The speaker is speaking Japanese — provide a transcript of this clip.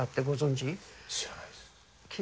知らないです